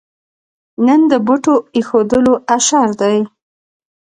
نن د بوټو اېښودلو اشر دی.